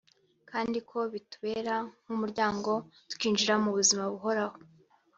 kandi ko bitubera nk’umuryango tukinjira mu buzima buhoraho